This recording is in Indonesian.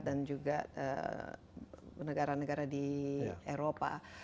dan juga negara negara di eropa